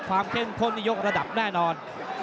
ความเข้มพ้นยกระดับแน่นอน